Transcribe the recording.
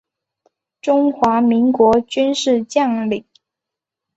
中华民国军事将领。